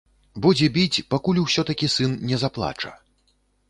Будзе біць, пакуль усё-такі сын не заплача.